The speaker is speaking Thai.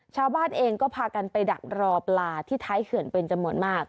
ชาวบ้านเองก็พากันไปดักรอปลาที่ท้ายเขื่อนเป็นจำนวนมาก